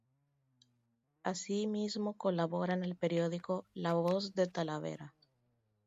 Así mismo colabora en el periódico "La Voz de Talavera".